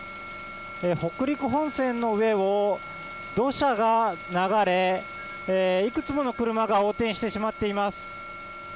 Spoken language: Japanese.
北陸本線の上を土砂が流れ、いくつもの車が横転してしまっています。